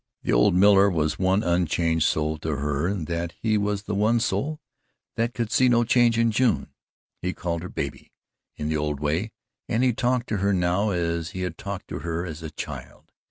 The old miller was the one unchanged soul to her in that he was the one soul that could see no change in June. He called her "baby" in the old way, and he talked to her now as he had talked to her as a child.